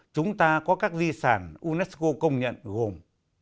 chúng ta có các di sản unesco công nhận gồm